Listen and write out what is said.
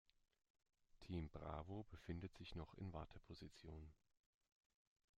Team Bravo befindet sich noch in Warteposition.